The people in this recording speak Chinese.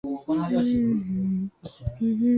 叉唇对叶兰为兰科对叶兰属下的一个种。